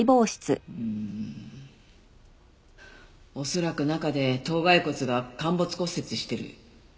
恐らく中で頭蓋骨が陥没骨折してる。